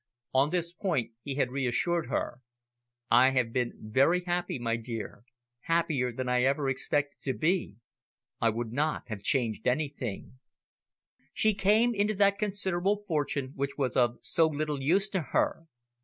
On this point he had reassured her. "I have been very happy, my dear, happier than I ever expected to be. I would not have anything changed." She came into that considerable fortune which was of so little use to her.